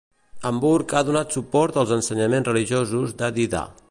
Hamburg ha donat suport als ensenyaments religiosos d'Adi Da.